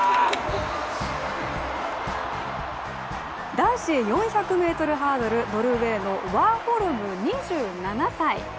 男子４００ｍハードル、ノルウェーのワーホルム２７歳。